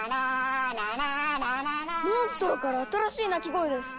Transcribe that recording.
モンストロから新しい鳴き声です！